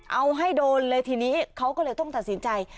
เอาให้โดนเลยทีนี้เขาก็เลยต้องตัดสินใจ